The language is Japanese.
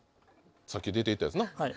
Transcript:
さっき出ていったやつな。